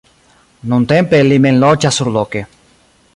Nuntempe li mem loĝas surloke.